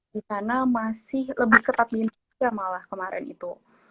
di sana masih lebih ketat di indonesia malah kemarin itu